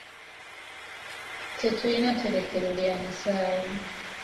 Tetulina tterekero lya musaayi.